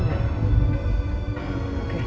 terima kasih pak